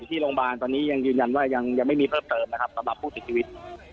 อยู่ที่โรงบาลณนี้ยันยืนยันยัยไม่มีเพิ่มเติมนะครับสำหรับผู้เสียชีวิต